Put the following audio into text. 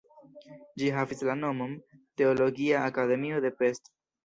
Ĝi havis la nomon "Teologia Akademio de Pest".